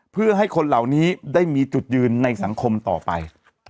เพื่อให้คนเหล่านี้ได้มีจุดยืนในสังคมต่อไป